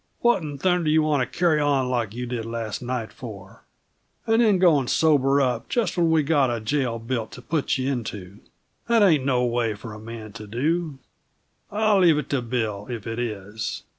What 'n thunder you want to carry on like you did last night, for? And then go and sober up just when we've got a jail built to put you into! That ain't no way for a man to do I'll leave it to Bill if it is!